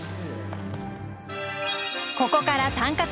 ここからタンカツ！